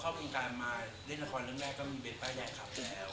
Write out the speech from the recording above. เขาบอกว่าเข้าวงการมาเล่นละครเรื่องแรกก็มีเบสป้ายแดงขับแล้ว